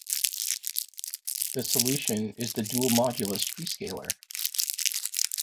The solution is the dual modulus prescaler.